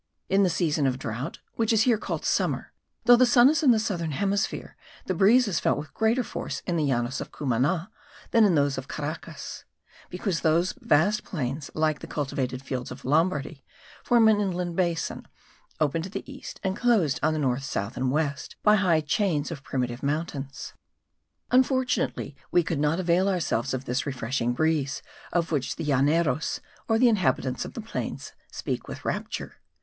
In the season of drought, (which is here called summer,) though the sun is in the southern hemisphere, the breeze is felt with greater force in the Llanos of Cumana, than in those of Caracas; because those vast plains, like the cultivated fields of Lombardy, form an inland basin, open to the east, and closed on the north, south and west by high chains of primitive mountains. Unfortunately, we could not avail ourselves of this refreshing breeze, of which the Llaneros, or the inhabitants of the plains, speak with rapture.